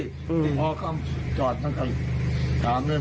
พี่พ่อเข้าจอดทำแบบนั้น